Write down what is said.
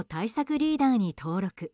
リーダーに登録。